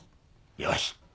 よし。